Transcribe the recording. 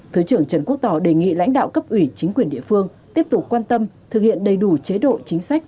thứ trưởng trần quốc tỏ đề nghị lãnh đạo cấp ủy chính quyền địa phương tiếp tục quan tâm thực hiện đầy đủ chế độ chính sách